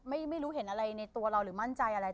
ไม่รู้เห็นอะไรในตัวเราหรือมั่นใจอะไร